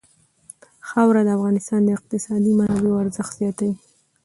خاوره د افغانستان د اقتصادي منابعو ارزښت زیاتوي.